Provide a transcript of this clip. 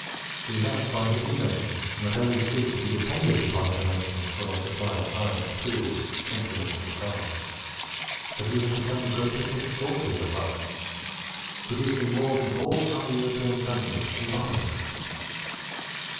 We have by his invention, not only ceased to be dependent upon other nations for our supply of iron for tools, implements, and arms, but we have become the greatest exporters of iron, producing more than all other European countries combined.